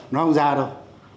nó không tốt